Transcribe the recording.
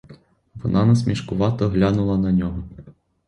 Вона насмішкувато глянула на нього.